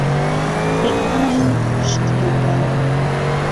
ئیعلانیشدیاندا.